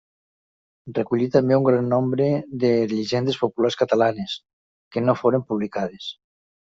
Recollí també un gran nombre de llegendes populars catalanes, que no foren publicades.